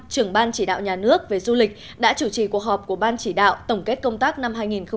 trưởng ban chỉ đạo nhà nước về du lịch đã chủ trì cuộc họp của ban chỉ đạo tổng kết công tác năm hai nghìn một mươi chín